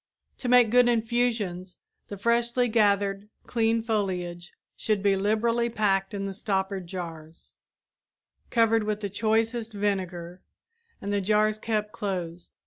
To make good infusions the freshly gathered, clean foliage should be liberally packed in stoppered jars, covered with the choicest vinegar, and the jars kept closed.